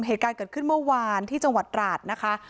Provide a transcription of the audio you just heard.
เหตุการณ์เกิดขึ้นเมื่อวานที่จังหวัดราชนะคะ